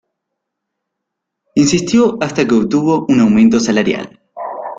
Insistió hasta que obtuvo un aumento salarial.